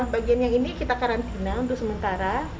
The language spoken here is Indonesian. bagian yang ini kita karantina untuk sementara